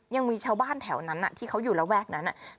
ยังมีชาวบ้านแถวนั้นที่เขาอยู่ระแวกนั้น